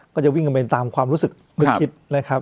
ก็จะวิ่งใหม่ตามความรู้สึกแบบนี้ครับ